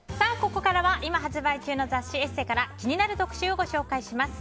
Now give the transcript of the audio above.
ここからは今発売中の雑誌「ＥＳＳＥ」から気になる特集をご紹介します。